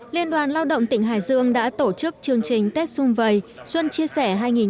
liên đoàn lao động tỉnh hải dương đã tổ chức chương trình tết xung vầy xuân chia sẻ hai nghìn hai mươi